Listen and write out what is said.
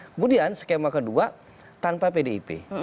kemudian skema kedua tanpa pdip